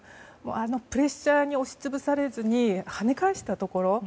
プレッシャーに押しつぶされずにはね返したところ。